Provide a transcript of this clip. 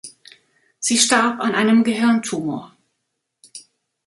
Sie starb an einem Gehirntumor.